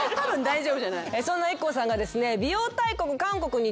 そんなＩＫＫＯさんがですね。